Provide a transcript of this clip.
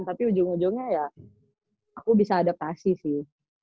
tapi ujung ujungnya ya aku bisa adaptasi sih